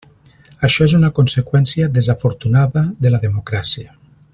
Això és una conseqüència desafortunada de la democràcia.